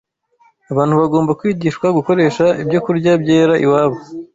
Abantu bagomba kwigishwa gukoresha ibyokurya byera iwabo